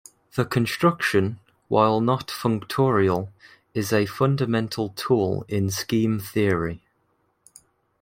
The construction, while not functorial, is a fundamental tool in scheme theory.